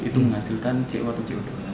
itu menghasilkan co atau co dua